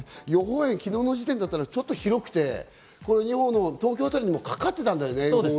予報円、昨日の時点だったらちょっと広くて、東京あたりにもかかってたんだよね。